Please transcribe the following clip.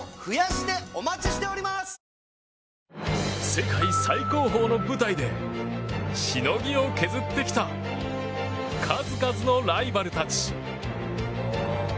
世界最高峰の舞台でしのぎを削ってきた数々のライバルたち。